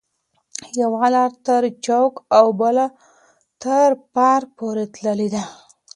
یوه لار تر چوک او بله تر پارک پورې تللې ده.